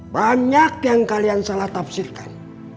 banyak yang kalian salah tafsirkan